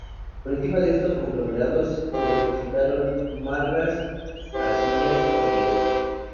Por encima de estos conglomerados se depositaron margas, arcillas y yesos.